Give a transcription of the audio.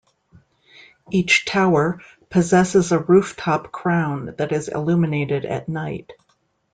Each "tower" possesses a rooftop crown that is illuminated at night.